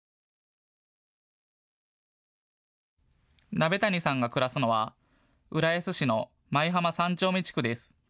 鍋谷さんが暮らすのは浦安市の舞浜３丁目地区です。